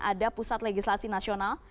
ada pusat legislasi nasional